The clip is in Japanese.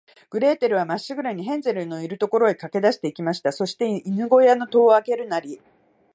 グレーテルは、まっしぐらに、ヘンゼルのいる所へかけだして行きました。そして、犬ごやの戸をあけるなり、